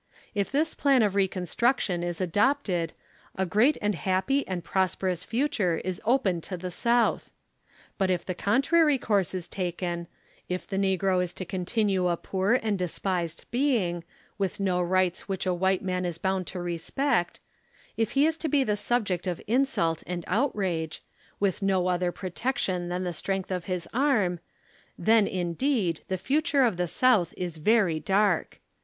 If this plan of reconstruction is adopted a great and happy and prosperous future is open to the South. But if the contrary course is taken ; if the ne gro is to continue a poor and despised being, with no 20 rights which a white man is bound to respect ; if he is to be the subject of insult and outrage, with no other pro tection than the strength of his arm, ŌĆö then indeed the future of the South is very dark.